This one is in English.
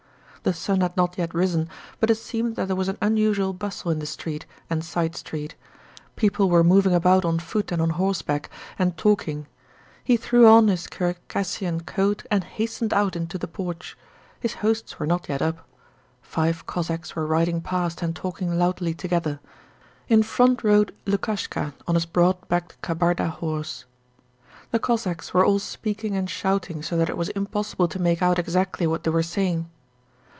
The sun had not yet risen, but it seemed that there was an unusual bustle in the street and side street: people were moving about on foot and on horseback, and talking. He threw on his Circassian coat and hastened out into the porch. His hosts were not yet up. Five Cossacks were riding past and talking loudly together. In front rode Lukashka on his broad backed Kabarda horse. The Cossacks were all speaking and shouting so that it was impossible to make out exactly what they were saying.